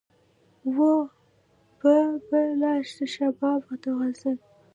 وو به به لا شباب د غزل